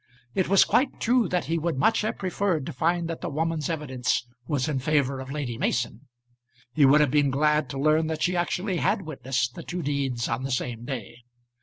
It was quite true that he would much have preferred to find that the woman's evidence was in favour of Lady Mason. He would have been glad to learn that she actually had witnessed the two deeds on the same day.